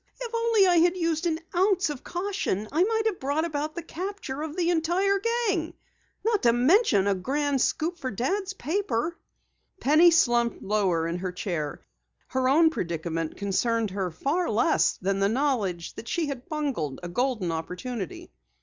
"If only I had used an ounce of caution, I might have brought about the capture of the entire gang. Not to mention a grand scoop for Dad's paper." Penny slumped lower in her chair. Her own predicament concerned her far less than the knowledge that she had bungled a golden opportunity.